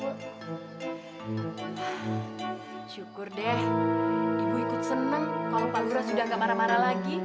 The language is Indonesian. syukur deh ibu ikut seneng kalau pak lura sudah gak marah marah lagi